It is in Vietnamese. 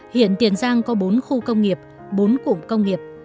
hiện tiền giang có bốn khu công nghiệp bốn cụm công nghiệp